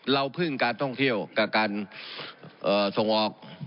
เราพึ่งการท่องเที่ยวกับการส่งออก